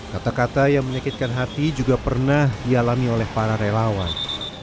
kata kata yang menyakitkan hati juga pernah dialami oleh para relawan